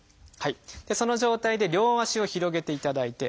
その状態で両足を広げていただいて。